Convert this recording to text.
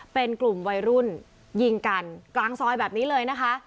เป็นกลุ่มวัยรุ่นยิงกันกลางซอยแบบนี้เลยนะคะ